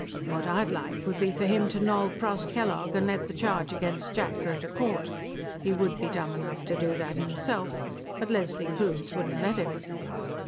What I'd like would be for him to nol. pros. Kellogg and let the charge against Jack go to court. He would be dumb enough to do that himself, but Leslie Coombes wouldn't let him."